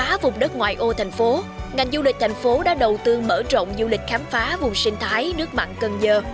khắp vùng đất ngoài ô thành phố ngành du lịch thành phố đã đầu tư mở rộng du lịch khám phá vùng sinh thái nước mạng cần dơ